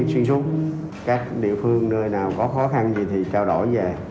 khi xuyên xuất các địa phương nơi nào có khó khăn gì thì trao đổi về